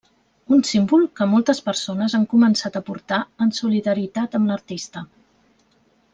Un símbol que moltes persones han començat a portar en solidaritat amb l'artista.